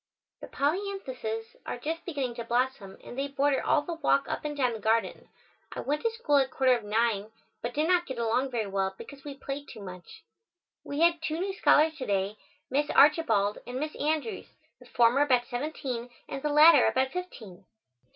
The polyanthuses are just beginning to blossom and they border all the walk up and down the garden. I went to school at quarter of nine, but did not get along very well because we played too much. We had two new scholars to day, Miss Archibald and Miss Andrews, the former about seventeen and the latter about fifteen.